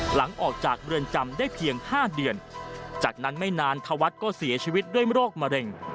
หลังจากออกจากเรือนจำได้เพียง๕เดือนจากนั้นไม่นานธวัฒน์ก็เสียชีวิตด้วยโรคมะเร็ง